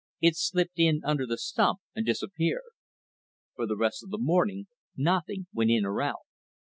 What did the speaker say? It slipped in under the stump and disappeared. For the rest of the morning, nothing went in or out.